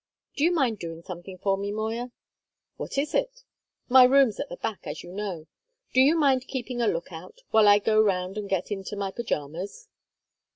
Do you mind doing something for me, Moya?" "What is it?" "My room's at the back, as you know; do you mind keeping a look out while I go round and get into my pyjamas?"